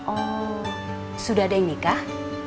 oh sudah deh nikah